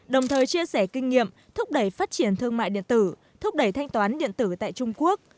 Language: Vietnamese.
đồng thời chia sẻ kinh nghiệm thúc đẩy phát triển thương mại điện tử thúc đẩy thanh toán điện tử tại trung quốc